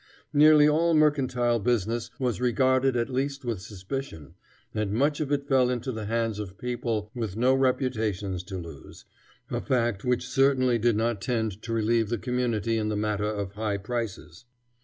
Nearly all mercantile business was regarded at least with suspicion, and much of it fell into the hands of people with no reputations to lose, a fact which certainly did not tend to relieve the community in the matter of high prices.